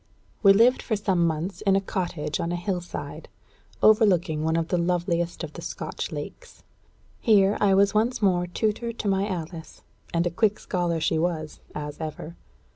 We lived for some months in a cottage on a hill side, overlooking one of the loveliest of the Scotch lakes. Here I was once more tutor to my Alice. And a quick scholar she was, as ever.